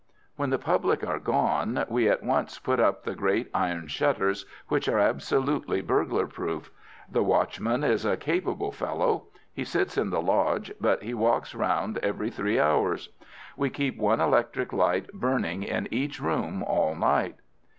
"When the public are gone, we at once put up the great iron shutters, which are absolutely burglar proof. The watchman is a capable fellow. He sits in the lodge, but he walks round every three hours. We keep one electric light burning in each room all night."